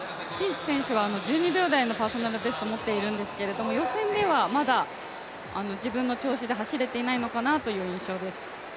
１２秒台のパーソナルベストを持っているんですけど予選ではまだ自分の調子で走れていないのかなという印象です。